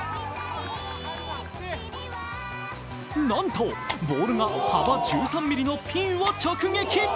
なんとボールが幅１３ｍｍのピンを直撃。